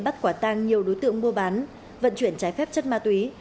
bắt quả tang nhiều đối tượng mua bán vận chuyển trái phép chất ma túy